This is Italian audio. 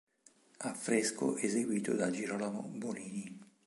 Affresco eseguito da Girolamo Bonini.